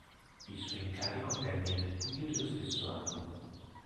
Il suo incarico ha termine nel luglio dello stesso anno.